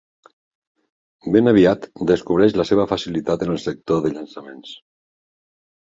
Ben aviat descobreix la seva facilitat en el sector de llançaments.